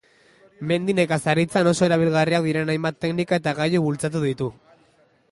Mendi nekazaritzan oso erabilgarriak diren hainbat teknika eta gailu bultzatu ditu.